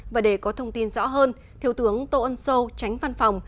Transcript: và để có thông tin rõ hơn thiếu tướng tô ân sâu tránh văn phòng